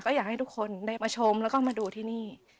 อยากให้ทุกคนได้มาชมแล้วก็มาดูที่นี่